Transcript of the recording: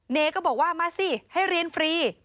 เนก็บอกว่ามาสิให้เรียนฟรี